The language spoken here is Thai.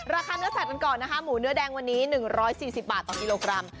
ราคาเนื้อสัตว์กันก่อนนะคะหมูเนื้อแดงวันนี้๑๔๐บาทต่อกิโลกรัม